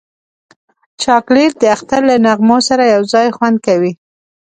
چاکلېټ د اختر له نغمو سره یو ځای خوند کوي.